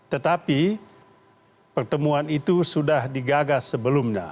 tetapi pertemuan itu sudah digagas sebelumnya